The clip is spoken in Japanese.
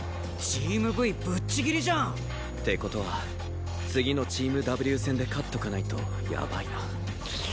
チームＶぶっちぎりじゃん。って事は次のチームＷ戦で勝っとかないとやばいな。